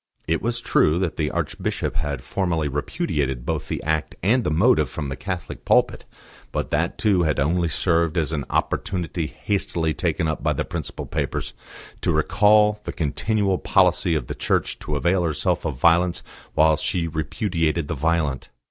It was true that the Archbishop had formally repudiated both the act and the motive from the Cathedral pulpit, but that too had only served as an opportunity hastily taken up by the principal papers, to recall the continual policy of the Church to avail herself of violence while she repudiated the violent.